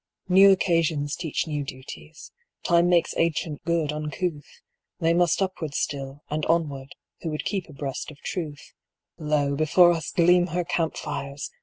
New occasions teach new duties; Time makes ancient good uncouth; They must upward still, and onward, who would keep abreast of Truth; Lo, before us gleam her camp fires!